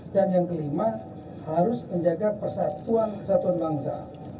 dan yang kelima harus menjaga persatuan dan kesatuan bangsa